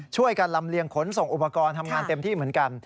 ช่วยกันลำเลียงขนส่งอุปกรณ์ทำงานเต็มที่เหมือนกัน